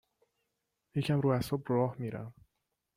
یکم رو اعصاب راه میرم